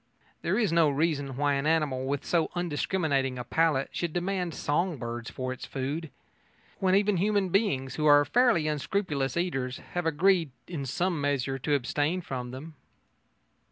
There is no reason why an animal with so undiscriminating a palate should demand song birds for its food, when even human beings, who are fairly unscrupulous eaters, have agreed in some measure to abstain from them.